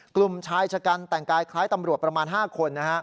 กลุ่มชายชะกันแต่งกายคล้ายตำรวจประมาณ๕คน